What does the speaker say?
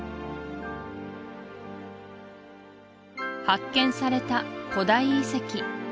発見された古代遺跡